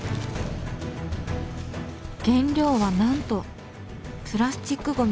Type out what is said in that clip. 原料はなんとプラスチックゴミ！